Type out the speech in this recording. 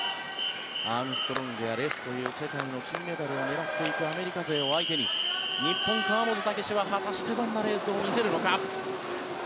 アームストロングやレスという金メダリストが世界を狙っていく選手を相手に日本、川本武史は果たしてどんなレースを見せるのか。